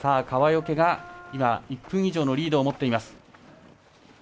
川除が１分以上のリードを持っています。